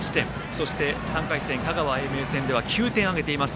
そして、３回戦香川・英明高校戦では９点を挙げています。